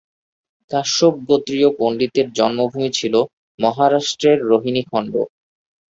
কাশ্যপ গোত্রীয় পন্ডিতের জন্মভূমি ছিল মহারাষ্ট্রের রোহিনীখন্ড।